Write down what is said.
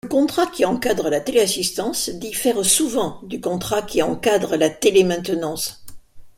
Le contrat qui encadre la téléassistance diffère souvent du contrat qui encadre la télémaintenance.